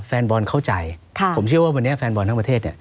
แฟนบอลเข้าใจผมเชื่อว่าวันนี้แฟนบอลทั้งประเทศเนี่ย